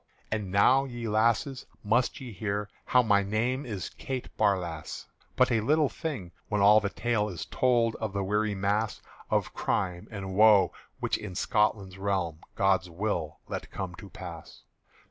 And now, ye lasses, must ye hear How my name is Kate Barlass: But a little thing, when all the tale Is told of the weary mass Of crime and woe which in Scotland's realm God's will let come to pass.